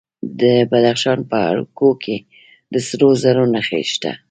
د بدخشان په ارګو کې د سرو زرو نښې شته.